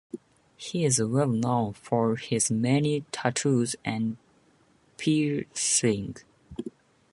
He is well known for his many tattoos and piercings.